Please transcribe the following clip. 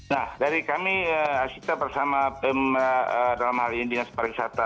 nah dari kami asita bersama dalam hal ini dinas pariwisata